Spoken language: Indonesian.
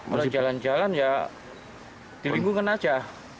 kalau jalan jalan ya dilinggungan aja